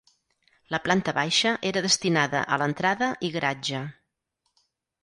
La planta baixa era destinada a l'entrada i garatge.